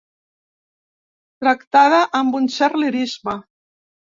Tractada amb un cert lirisme.